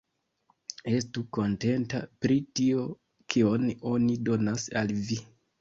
Estu kontenta pri tio, kion oni donas al vi!